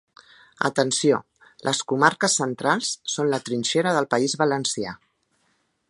Atenció: les comarques centrals són la trinxera del País Valencià.